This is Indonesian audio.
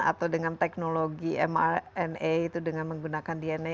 atau dengan teknologi mrna itu dengan menggunakan dna